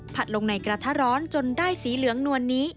ลงในกระทะร้อนจนได้สีเหลืองนวลนี้